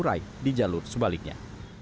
jalan terurai di jalur sebaliknya